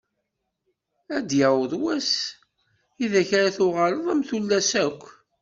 Ad d-yaweḍ wass i deg ara uɣaleɣ am tullas akk.